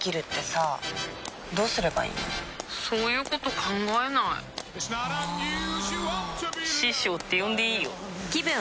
そういうこと考えないあ師匠って呼んでいいよぷ